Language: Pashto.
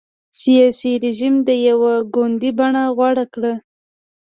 سیاسي رژیم یې یو ګوندي بڼه غوره کړه.